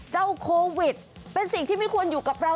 โควิดเป็นสิ่งที่ไม่ควรอยู่กับเรา